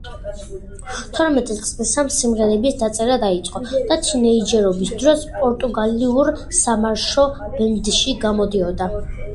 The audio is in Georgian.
თორმეტი წლისამ სიმღერების დაწერა დაიწყო, და თინეიჯერობის დროს პორტუგალიურ სამარშო ბენდში გამოდიოდა.